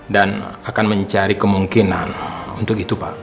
dan akan mencari kemungkinan untuk itu pak